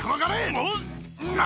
おっ！